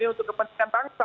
ini untuk kepentingan bangsa